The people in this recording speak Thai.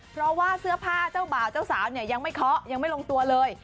เพราะว่าเสื้อผ้าเจ้าบ่าวเจ้าสาวเนี่ยยังไม่เคาะยังไม่ลงตัวเลย